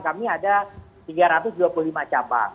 kami ada tiga ratus dua puluh lima cabang